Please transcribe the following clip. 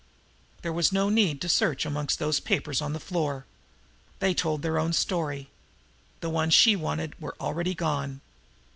There was no need to search amongst those papers on the floor. They told their own story. The ones she wanted were already gone.